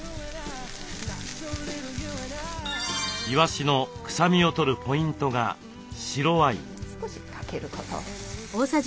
いわしの臭みをとるポイントが白ワイン。